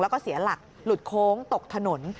แล้วก็เสียหลักหลุดโค้งตกถนน